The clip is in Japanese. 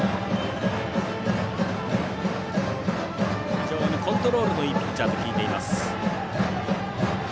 非常にコントロールのいいピッチャーと聞いています、亀井。